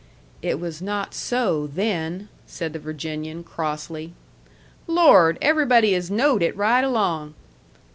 "It was not so, then," said the Virginian, crossly. "Lord! Everybody has knowed it right along."